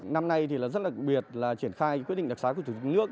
năm nay thì là rất đặc biệt là triển khai quyết định đặc xá của thủ tướng nước